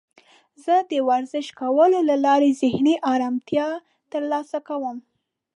زه د ورزش کولو له لارې ذهني آرامتیا ترلاسه کوم.